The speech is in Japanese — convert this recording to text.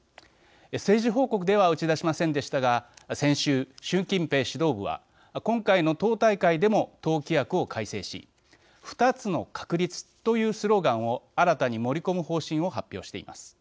政治報告では打ち出しませんでしたが先週、習近平指導部は今回の党大会でも党規約を改正し二つの確立というスローガンを新たに盛り込む方針を発表しています。